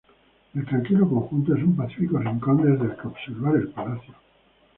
El tranquilo conjunto es un pacífico rincón desde el que observar el palacio.